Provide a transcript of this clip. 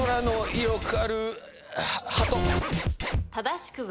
正しくは？